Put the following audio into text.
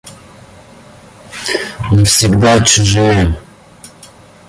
Навсегда чужие!